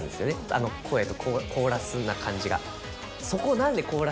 あの声とコーラスな感じが。